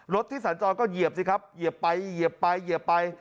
ที่สัญจรก็เหยียบสิครับเหยียบไปเหยียบไปเหยียบไป